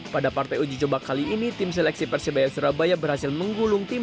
pada partai uji coba kali ini tim seleksi persebaya surabaya berhasil menggulung tim delapan puluh satu fc